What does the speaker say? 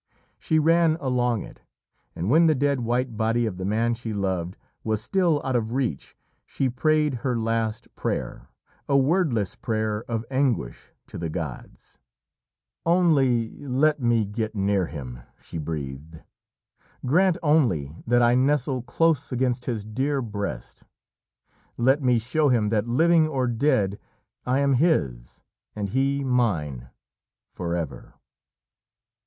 She ran along it, and when the dead, white body of the man she loved was still out of reach, she prayed her last prayer a wordless prayer of anguish to the gods. "Only let me get near him," she breathed. "Grant only that I nestle close against his dear breast. Let me show him that, living or dead, I am his, and he mine forever."